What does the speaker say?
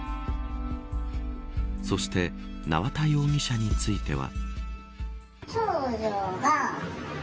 そして縄田容疑者については。